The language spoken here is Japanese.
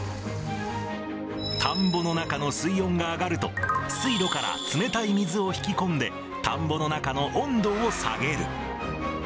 田んぼの中の水温が上がると、水路から冷たい水を引き込んで、田んぼの中の温度を下げる。